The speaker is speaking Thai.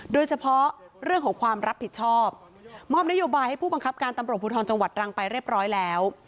โดยเฉพาะเรื่องของความรับผิดชอบมอบนโยบายให้ผู้บังคับการตำรวจภูทรจังหวัดตรังไปเรียบร้อยแล้ว